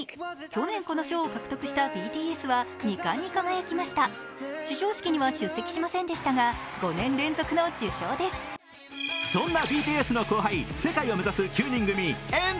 去年、この賞を獲得したＢＴＳは２冠に輝きました、授賞式には出席しませんでしたがそんなＢＴＳの後輩、世界を目指す９人組、＆ＴＥＡＭ。